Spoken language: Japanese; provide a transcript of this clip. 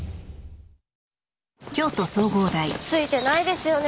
ツイてないですよねぇ。